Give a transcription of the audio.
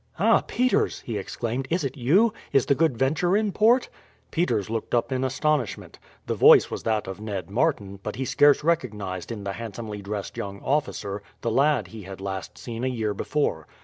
"Ah! Peters," he exclaimed, "is it you? Is the Good Venture in port?" Peters looked up in astonishment. The voice was that of Ned Martin, but he scarce recognized in the handsomely dressed young officer the lad he had last seen a year before.